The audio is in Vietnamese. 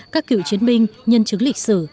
các cựu chiến binh nhân chứng lịch sử